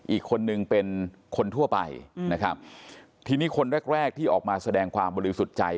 อีกคนนึงเป็นคนทั่วไปนะครับทีนี้คนแรกแรกที่ออกมาแสดงความบริสุทธิ์ใจ